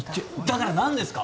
だから何ですか？